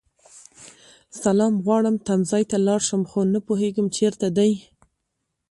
سلام غواړم تمځای ته لاړشم خو نه پوهيږم چیرته دی